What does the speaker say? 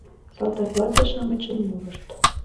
Салтаквате-шамычын мурышт.